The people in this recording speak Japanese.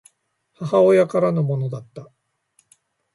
母親からのものだった